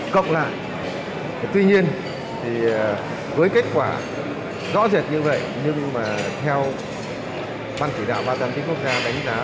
cộng lại tuy nhiên với kết quả rõ rệt như vậy nhưng mà theo ban chỉ đạo ba giang tính quốc gia đánh giá